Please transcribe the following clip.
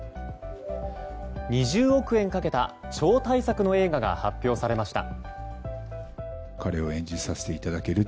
２０億円かけた超大作の映画が発表されました。